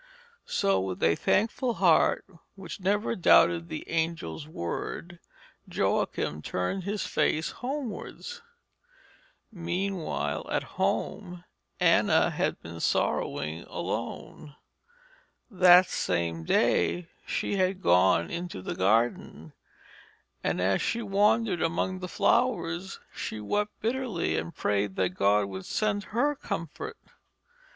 So with a thankful heart which never doubted the angel's word, Joachim turned his face homewards. Meanwhile, at home, Anna had been sorrowing alone. That same day she had gone into the garden, and, as she wandered among the flowers, she wept bitterly and prayed that God would send her comfort.